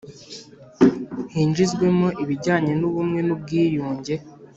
hinjizwemo ibijyanye n'ubumwe n'ubwiyunge.